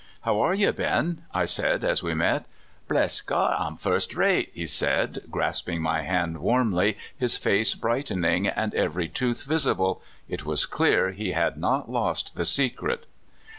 " How are you, Ben? " I said, as we met. " Bless God, I'm first rate! " he said, grasping my hand warmty, his face brightening, and every tooth visible. It w^as clear he had not lost the secret.